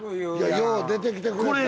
よう出てきてくれた。